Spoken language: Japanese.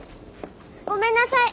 ごめんなさい。